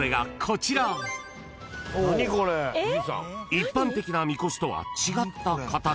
［一般的なみこしとは違った形］